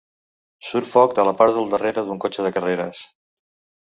Surt foc de la part del darrere d'un cotxe de carreres.